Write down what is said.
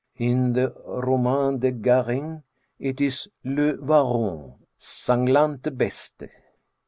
In the Romans de Garin, it is "Leu waron, sanglante beste."